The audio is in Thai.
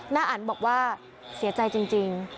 อันบอกว่าเสียใจจริง